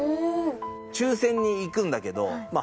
抽選に行くんだけどまあ